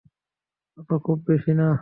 এটা খুব বেশি না।